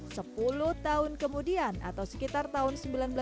sepuluh tahun kemudian atau sekitar tahun seribu sembilan ratus sembilan puluh